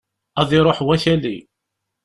Ad iruḥ wakali!